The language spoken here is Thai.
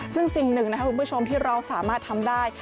ซึ่งสิ่งหนึ่งนะครับคุณผู้ชมที่เราสามารถทำได้